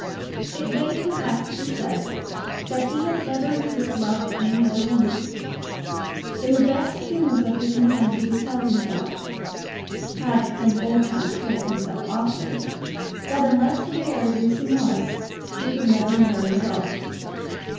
It may, perhaps, be said that he had never in truth loved any other woman. In the best humours of his mind he would tell himself, had from old times told himself often, that unless he married Lucy Morris he could never marry at all.